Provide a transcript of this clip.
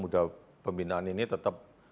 muda pembinaan ini tetap